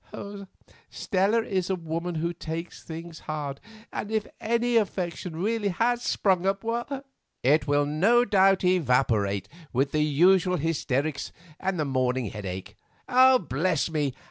Stella is a woman who takes things hard, and if any affection really has sprung up——" "——It will no doubt evaporate with the usual hysterics and morning headache. Bless me!